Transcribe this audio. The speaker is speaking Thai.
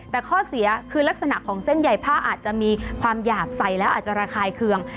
แต่ข้อเสียคือลักษณะของเส้นใหญ่ผ้าอาจจะมีความหยาบใส่แล้วอาจจะระคายเคือง